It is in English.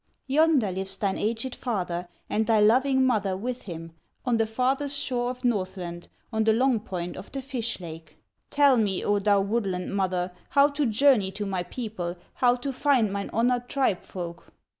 "Yonder lives thine aged father, And thy loving mother with him, On the farthest shore of Northland, On the long point of the fish lake!" "Tell me, O thou woodland mother, How to journey to my people, How to find mine honored tribe folk."